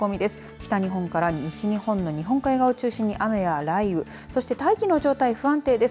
北日本から西日本の日本海側を中心に雨や雷雨そして大気の状態、不安定です。